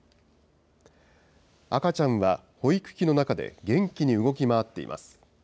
赤ちゃんは保育器の中で元気に動き回っています。